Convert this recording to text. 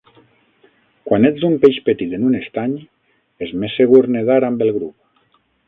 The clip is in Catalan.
Quan ets un peix petit en un estany, és més segur nedar amb el grup.